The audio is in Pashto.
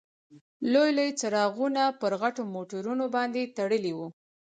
لوی لوی څراغونه پر غټو موټرونو باندې تړلي وو.